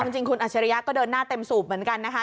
จริงคุณอัชริยะก็เดินหน้าเต็มสูบเหมือนกันนะคะ